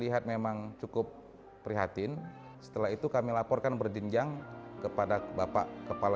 datangnya keluarga intan saya